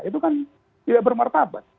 itu kan tidak bermartabat